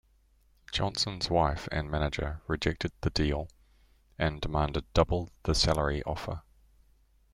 Johnson's wife and manager rejected the deal, and demanded double the salary offer.